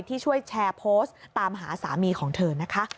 ที่ช่วยแชร์โพสต์ตามหาสามีของเธอนะคะ